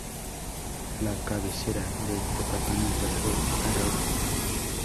La cabecera del departamento fue Arauco.